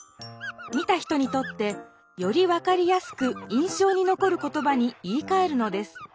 見た人にとってより分かりやすく印象にのこる言葉に言いかえるのです。